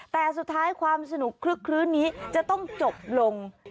แต่สุดท้ายความสนุกคลึกคลื้นนี้จะต้องจบลง